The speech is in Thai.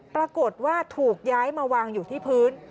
ปรากฏว่าถูกย้ายมาวางอยู่ที่พื้น